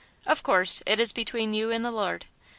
Of course, it is between you and the Lord."